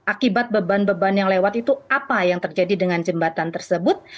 akibat beban beban yang lewat itu apa yang terjadi dengan jembatan tersebut